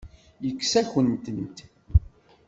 Yekkes-akent-tent.